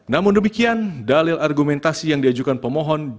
namun demikian dalil argumentasi yang diajukan pemohon